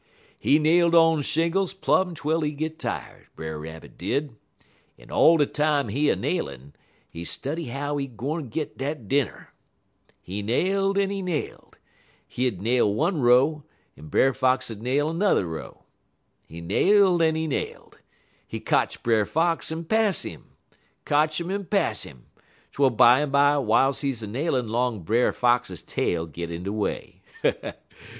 "He nailed on shingles plum twel he git tired, Brer Rabbit did, en all de time he nailin', he study how he gwine git dat dinner. He nailed en he nailed. He 'ud nail one row, en Brer Fox 'ud nail 'n'er row. He nailed en he nailed. He kotch Brer Fox en pass 'im kotch 'im en pass 'im, twel bimeby w'iles he nailin' 'long Brer Fox tail git in he way.